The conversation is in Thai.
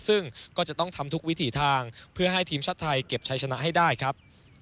ซึ่งก็จะต้องทำทุกวิถีทางเพื่อให้ทีมชาติไทยเก็บชัยชนะให้ได้ครับ